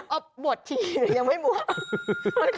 เอาบวชทีหรือยังไม่บวช